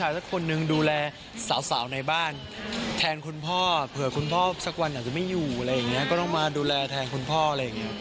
หรือว่าแฟนคุณพ่อเผื่อคุณพ่อสักวันอาจจะไม่อยู่อะไรอย่างเงี้ย